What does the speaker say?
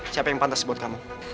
siapa yang pantas buat kamu